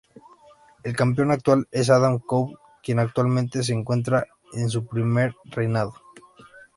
El campeón actual es Adam Cole, quien actualmente se encuentra en su primer reinado.